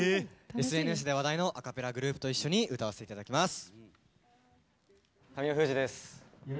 ＳＮＳで話題のアカペラグループと一緒に歌わせていただきます。